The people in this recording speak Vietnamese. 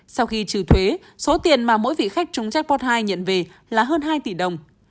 sau khi trừ thuế số tiền mà mỗi vị khách chúng jackpot hai nhận về là hơn hai tỷ đồng